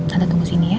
tante tunggu sini ya